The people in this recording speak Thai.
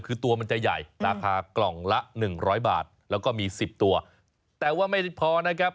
คือตัวมันจะใหญ่ราคากล่องละหนึ่งร้อยบาทแล้วก็มีสิบตัวแต่ว่าไม่พอนะครับ